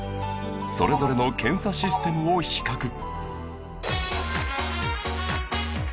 それぞれの検査システムを比較